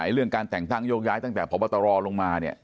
เรื่องการแต่งตั้งโยกย้ายตั้งแต่พบตรลงมาเนี่ย